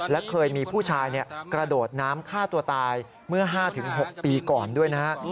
และเคยมีผู้ชายกระโดดน้ำฆ่าตัวตายเมื่อ๕๖ปีก่อนด้วยนะฮะ